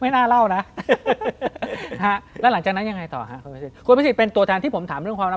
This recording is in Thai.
ไม่น่าเล่านะแล้วหลังจากนั้นยังไงต่อฮะคุณพิสิทธเป็นตัวแทนที่ผมถามเรื่องความรัก